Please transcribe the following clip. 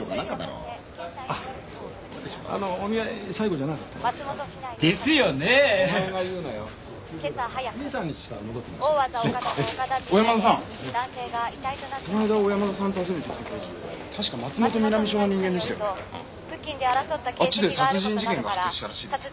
うんあっちで殺人事件が発生したらしいですよ